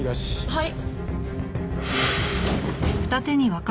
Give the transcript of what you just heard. はい。